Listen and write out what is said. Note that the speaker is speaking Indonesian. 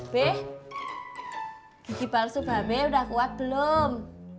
bih gigi palsu bame udah kuat belum